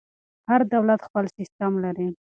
هر دولت خپل سیسټم لري.